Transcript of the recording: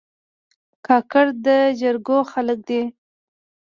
کاکړ د جرګو خلک دي.